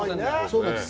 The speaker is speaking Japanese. そうなんです。